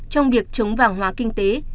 trong việc chống vàng hóa kinh tế